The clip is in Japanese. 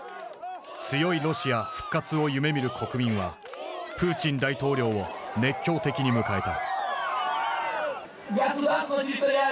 強いロシア復活を夢みる国民はプーチン大統領を熱狂的に迎えた。